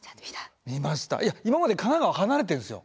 今まで神奈川離れてるんですよ。